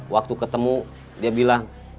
waktu ketemu dia bilang